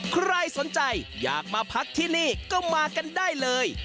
ใครสนใจอยากมาพักที่นี่ก็มากันได้เลย